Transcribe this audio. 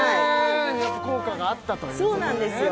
やっぱ効果があったということでねそうなんですよ